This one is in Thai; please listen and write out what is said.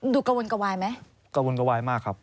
ดุกวนกวายไหมกวนกวายมากครับ